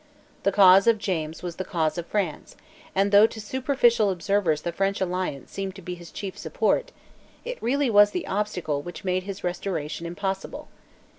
The cause of James was the cause of France; and, though to superficial observers the French alliance seemed to be his chief support, it really was the obstacle which made his restoration impossible.